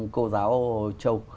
cô giáo châu